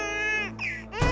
lagi ngapain ya si bella